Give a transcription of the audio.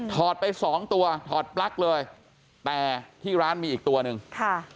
อดไปสองตัวถอดปลั๊กเลยแต่ที่ร้านมีอีกตัวหนึ่งค่ะ